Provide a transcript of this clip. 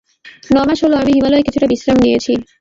ন-মাস হল আমি হিমালয়ে কিছুটা বিশ্রাম নিয়েছি।